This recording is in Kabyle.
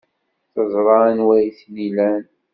Teẓra anwa ay ten-ilan.